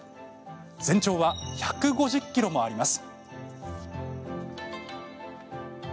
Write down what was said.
全長は１５０ｋｍもあります。